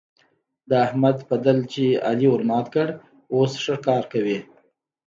د احمد پدل چې علي ورمات کړ؛ اوس ښه کار کوي.